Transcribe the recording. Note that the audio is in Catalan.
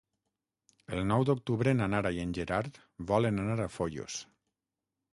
El nou d'octubre na Nara i en Gerard volen anar a Foios.